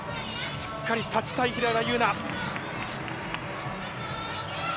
しっかり立ちたい、平岩優奈。